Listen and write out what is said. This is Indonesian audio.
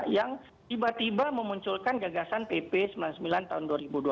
yang tiba tiba memunculkan gagasan pp sembilan puluh sembilan tahun dua ribu dua belas